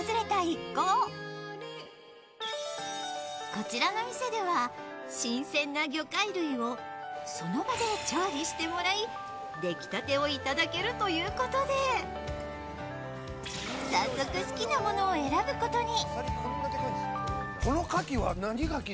こちらの店では新鮮な魚介類をその場で調理してもらい、できたてをいただけるということで、早速、好きなものを選ぶことに。